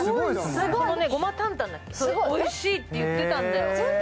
胡麻坦々、すごいおいしいって言ってたんだよ。